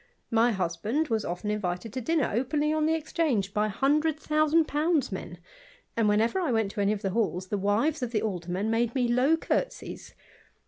Wy husband was often invited to dinner openly on the Exchange by hundred thousand pounds men : and when ^er I went to any of the halls, the wives of the aldermen ''^e me low courtesies.